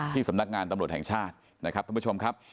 สำนักงานตำรวจแห่งชาตินะครับท่านผู้ชมครับ